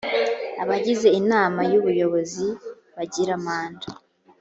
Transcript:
abagize inama y ubuyobozi bagira manda